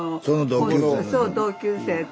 その同級生？